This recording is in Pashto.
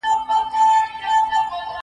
ماموریت تر دې ډېر پراخ دی.